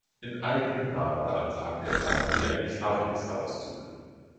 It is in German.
In eigenem Namen beantragte er daher nie einen Strafregisterauszug.